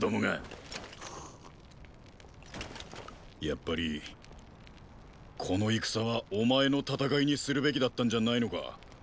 やっぱりこの戦はお前の戦いにするべきだったんじゃないのか？